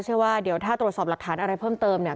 เชื่อว่าเดี๋ยวถ้าตรวจสอบหลักฐานอะไรเพิ่มเติมเนี่ย